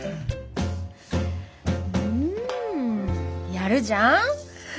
うんやるじゃん。